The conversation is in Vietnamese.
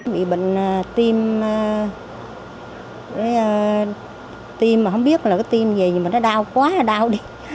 bị bệnh tim tim mà không biết là cái tim gì nhưng mà nó đau quá là đau đi